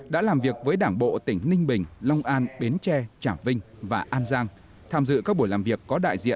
đã làm việc với đảng bộ tỉnh ninh bình long an bến tre trả vinh và an giang